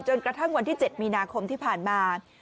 กระทั่งวันที่๗มีนาคมที่ผ่านมา